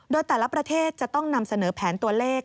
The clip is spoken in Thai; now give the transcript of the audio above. โดยแต่ละประเทศจะต้องนำเสนอแผนตัวเลข